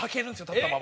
立ったまま。